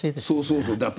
そうそうそう。